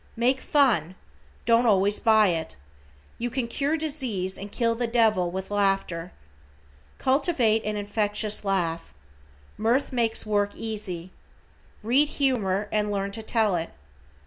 Make fun, don't always buy it. You can cure disease and kill the Devil with laughter. Cultivate an infectious laugh. Mirth makes work easy. Read humor and learn to tell it.